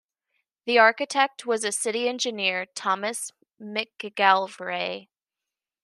The architect was a city engineer, Thomas McGilvray.